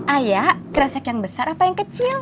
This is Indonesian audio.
ayah kresek yang besar apa yang kecil